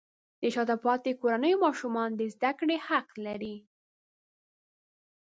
د شاته پاتې کورنیو ماشومان د زده کړې حق لري.